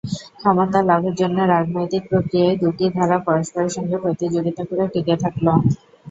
ক্ষমতা লাভের জন্য রাজনৈতিক প্রক্রিয়ার দুটি ধারা পরস্পরের সঙ্গে প্রতিযোগিতা করে টিকে থাকল।